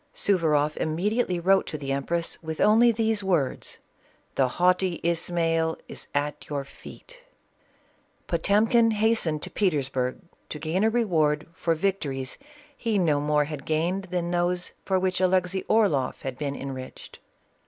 Suvaroff immediately wrote to the empress with only these words :" The haughty Ismail is at your feet/' Potemkin hastened to Petersburg to gain a reward for victories he no more had gained than those for which Alexey Orloflf had been enriched.